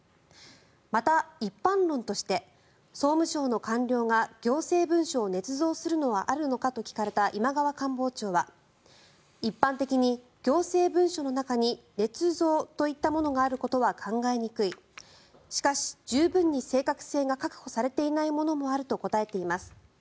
また、一般論として総務省の官僚が行政文書をねつ造するのはあるのか？と聞かれた今川官房長は一般的に行政文書の中にねつ造といったものがあることは考えにくいしかし、十分に正確性が確保されていないものもあると答えています。